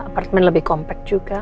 apartemen lebih compact juga